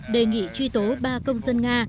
đề nghị truy tố ba công dân nga